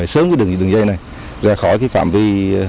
sớm đường dây này ra khỏi phạm vi